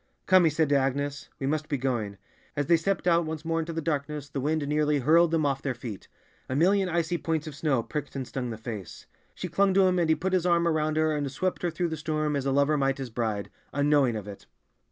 "Come," he said to Agnes, "we must be going." As they stepped out once more into the darkness, the wind nearly hurled them off their feet; a million icy points of snow pricked and stung the face. She clung to him, and he put his arm around her and swept her through the storm as a lover might his bride, unknowing of it.